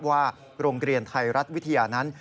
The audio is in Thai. ว่าโรงเรียนไทยรัฐวิทยานั้น